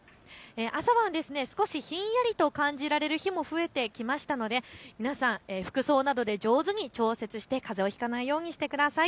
朝晩、少しひんやりと感じられる日も増えてきましたので皆さん、服装などで上手に調節してかぜをひかないようにしてください。